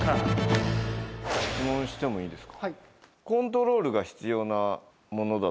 コントロール。